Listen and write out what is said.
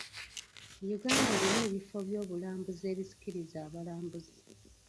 Uganda erina ebifo ebyobulambuzi ebisikiriza abalambuzi.